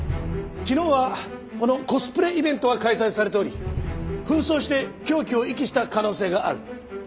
昨日はこのコスプレイベントが開催されており扮装して凶器を遺棄した可能性がある。